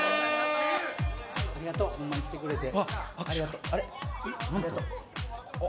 ありがとう、ほんまに来てくれて。